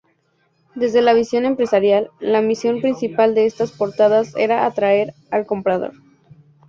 Desde la visión empresarial, la misión principal de estas portadas era atraer al comprador.